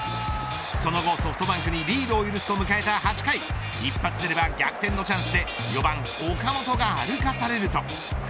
その後ソフトバンクにリードを許すと迎えた８回一発出れば逆転のチャンスで４番岡本が歩かされると。